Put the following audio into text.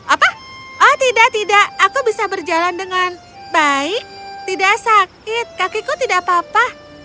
apa oh tidak tidak aku bisa berjalan dengan baik tidak sakit kakiku tidak apa apa